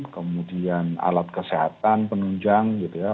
kemudian alat kesehatan penunjang gitu ya